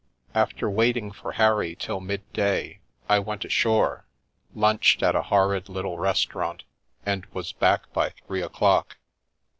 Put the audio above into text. After waiting for Harry till midday, I went ashore, lunched at a horrid little restaurant, and was back by three o'clock.